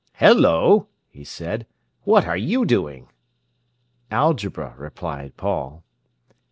"Hello!" he said. "What are you doing?" "Algebra," replied Paul.